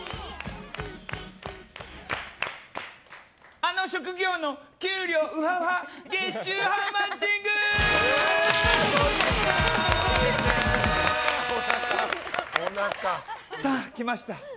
あの職業の給料ウハウハ月収ハウマッチング！来ました。